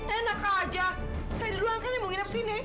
enak aja saya di ruang kan yang mau nginep sini